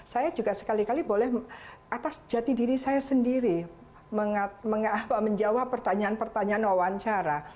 saya juga sekali kali boleh atas jati diri saya sendiri menjawab pertanyaan pertanyaan wawancara